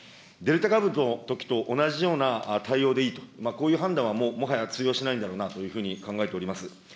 デルタ株のときと同じような対応でいいと、こういう判断はもう、もはや通用しないんだろうなというふうに考えております。